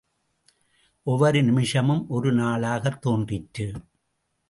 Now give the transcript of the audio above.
ஒவ்வொரு நிமிஷமும் ஒரு நாளாகத் தோன்றிற்று.